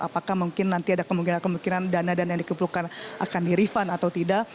apakah mungkin nanti ada kemungkinan kemungkinan dana dana yang dikumpulkan akan dirifan atau tidak